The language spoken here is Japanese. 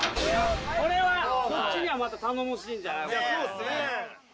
これはこっちにはまた頼もしいんじゃない？